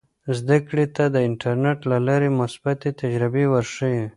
زده کړې ته د انټرنیټ له لارې مثبتې تجربې ورښیي.